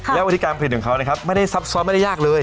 และวิธีการผลิตของเขานะครับไม่ได้ซับซ้อนไม่ได้ยากเลย